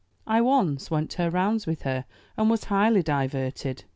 I once went her rounds with her, and was highly diverted.